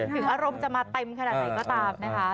ถึงอารมณ์จะมาเต็มขนาดไหนก็ตามนะคะ